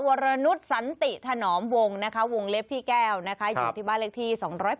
วรนุษย์สันติถนอมวงนะคะวงเล็บพี่แก้วนะคะอยู่ที่บ้านเลขที่๒๘